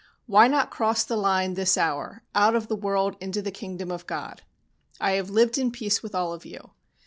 Why not cross the line this hour, out of the world into the kingdom of God? I have lived in peace with all of you.